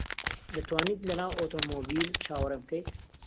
دەتوانیت لەناو ئۆتۆمۆبیل چاوەڕێم بکەیت؟